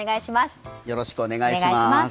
よろしくお願いします。